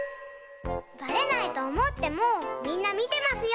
バレないとおもってもみんなみてますよ！